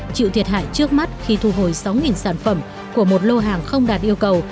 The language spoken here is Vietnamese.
chịu thiệt hại trước mắt khi thu hồi sáu sản phẩm của một lô hàng không đạt yêu cầu